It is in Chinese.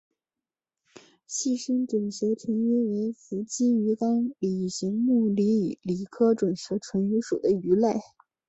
细身准舌唇鱼为辐鳍鱼纲鲤形目鲤科准舌唇鱼属的鱼类。